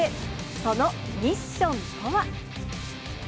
そのミッションとは。